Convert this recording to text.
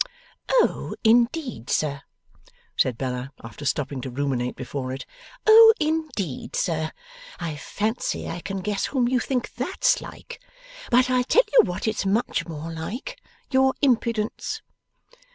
'Oh, indeed, sir!' said Bella, after stopping to ruminate before it. 'Oh, indeed, sir! I fancy I can guess whom you think THAT'S like. But I'll tell you what it's much more like your impudence!